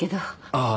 ああ。